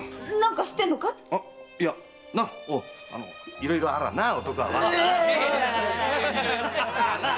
いろいろあらあな男はなあ？